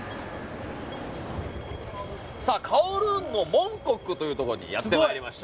カオルーンのモンコックというところにやってまいりました。